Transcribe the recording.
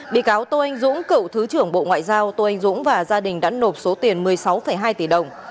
bị cáo tô anh dũng cựu thứ trưởng bộ ngoại giao tô anh dũng và gia đình đã nộp số tiền một mươi sáu hai tỷ đồng